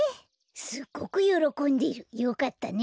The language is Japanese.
すっごくよろこんでる。よかったね。